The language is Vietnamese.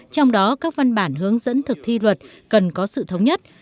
trong đó các văn bản hướng dẫn thực thi luật cần có sự thống nhất